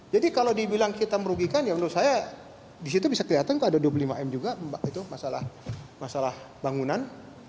jadi kalau dibilang kita merugikan ya menurut saya disitu bisa kelihatan kok ada dua puluh lima m juga masalah bangunan